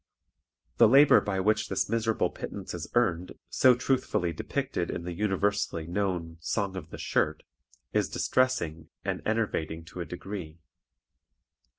The labor by which this miserable pittance is earned, so truthfully depicted in the universally known "Song of the Shirt," is distressing and enervating to a degree.